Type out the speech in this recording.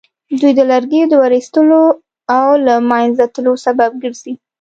دوی د لرګیو د ورستېدلو او له منځه تلو سبب ګرځي.